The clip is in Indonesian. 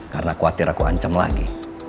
karena khawatir aku ancam lagi